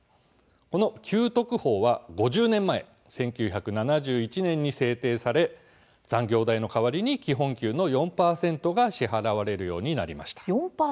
この給特法は５０年前１９７１年に制定され残業代の代わりに基本給の４％が支払われるようになりました。